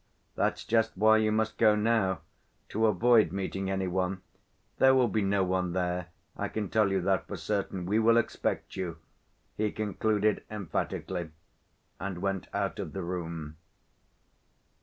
"That's just why you must go now, to avoid meeting any one. There will be no one there, I can tell you that for certain. We will expect you," he concluded emphatically, and went out of the room.